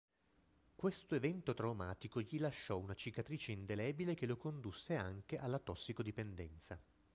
Questo evento traumatico gli lasciò una cicatrice indelebile che lo condusse anche alla tossicodipendenza.